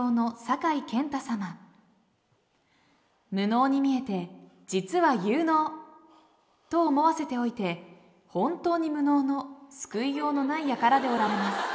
無能に見えて実は有能。と思わせておいて本当に無能の救いようのないやからでおられます。